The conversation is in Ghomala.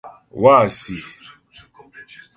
Wâsi᷅.